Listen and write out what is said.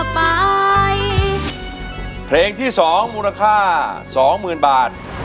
ไปเพลงที่๒มูลค่า๒๐๐๐บาท